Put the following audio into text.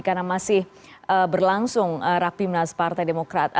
karena masih berlangsung rapimnas partai demokrat